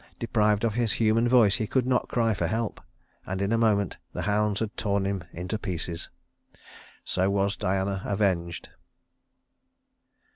Deprived of his human voice he could not cry for help, and in a moment the hounds had torn him into pieces. So was Diana avenged.